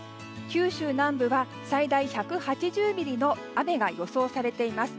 九州南部は最大１８０ミリの雨が予想されています。